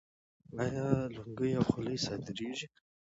آیا لونګۍ او خولۍ صادریږي؟